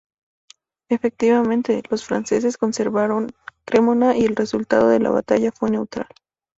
Efectivamente, los franceses conservaron Cremona y el resultado de la batalla fue neutral.